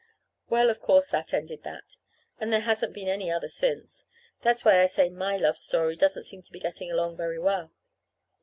Well, of course, that ended that. And there hasn't been any other since. That's why I say my love story doesn't seem to be getting along very well.